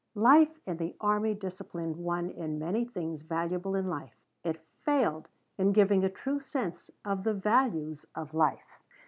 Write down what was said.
Life in the army disciplined one in many things valuable in life. It failed in giving a true sense of the values of life.